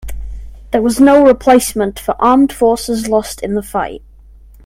There was no replacement for armed forces lost in the fight.